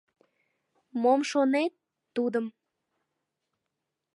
— Мом шонет, тудым.